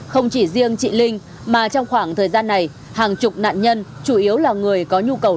không chỉ riêng chị linh mà trong khoảng thời gian này hàng chục nạn nhân chủ yếu là người có nhu cầu